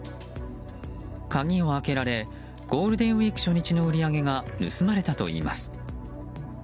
鍵を開けられゴールデンウィーク初日の売り上げが盗まれたといいます。